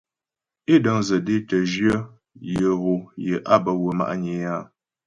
É dəŋdzə dé tə́ jyə̂ yə ghom yé á bə wə́ ma'nyə é áa.